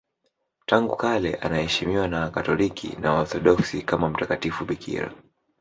Tangu kale anaheshimiwa na Wakatoliki na Waorthodoksi kama mtakatifu bikira.